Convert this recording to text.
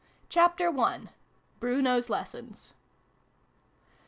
CHAPTER I. BRUNO'S LESSONS.